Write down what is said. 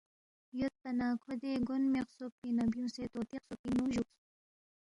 یودپا نہ کھو دے گونگموے خسوب پِنگ نہ بیُونگسے طوطی خسوب پِنگ نُو جُوکس